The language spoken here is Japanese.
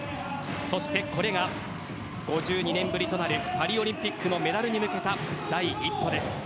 そしてこれが５２年ぶりとなるパリオリンピックのメダルに向けた第一歩です。